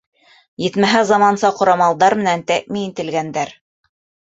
Етмәһә, заманса ҡорамалдар менән тәьмин ителгәндәр.